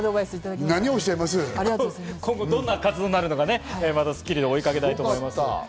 いいアドバイスをありがとう今後どんな活動になるのか、また『スッキリ』で追いかけたいと思います。